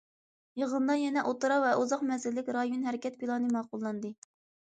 يىغىندا يەنە ئوتتۇرا ۋە ئۇزاق مەزگىللىك رايون ھەرىكەت پىلانى ماقۇللاندى.